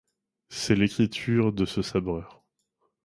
C'est l'écriture de ce sabreur.